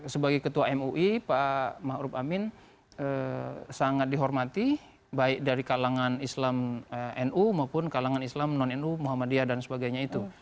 sebagai ketua mui pak ⁇ maruf ⁇ amin sangat dihormati baik dari kalangan islam nu maupun kalangan islam non nu muhammadiyah dan sebagainya itu